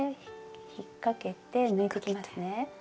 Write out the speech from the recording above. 引っ掛けて抜いてきますね。